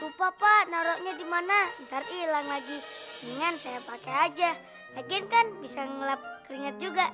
lupa pak naroknya di mana ntar hilang lagi ringan saya pakai aja agen kan bisa ngelap keringat juga